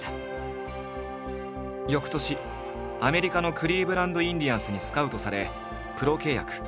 翌年アメリカのクリーブランド・インディアンスにスカウトされプロ契約。